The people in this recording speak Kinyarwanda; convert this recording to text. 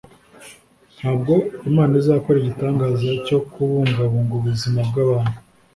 ntabwo imana izakora igitangaza cyo kubungabunga ubuzima bw'abantu